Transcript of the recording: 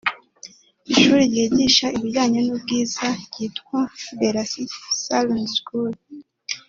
Ishuri ryigisha ibijyane n’ubwiza ryitwa Belasi Saloon school